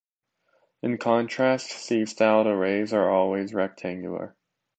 In contrast, C-styled arrays are always rectangular.